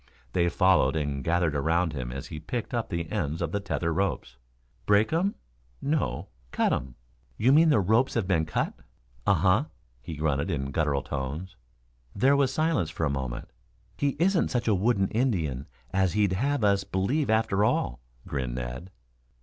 They followed and gathered around him as he picked up the ends of the tether ropes. "Break um? No, cut um." "You mean the ropes have been cut?" "Uh huh," he grunted in gutteral tones. There was silence for a moment. "He isn't such a wooden Indian as he'd have us believe after all," grinned Ned.